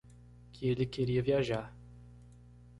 Que ele queria viajar.